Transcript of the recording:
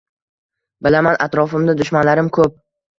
Bilaman atrofimda dushmanlarim kup